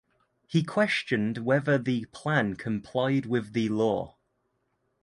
He questioned whether the plan complied with the law.